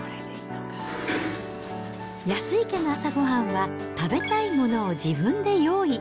安井家の朝ごはんは、食べたいものを自分で用意。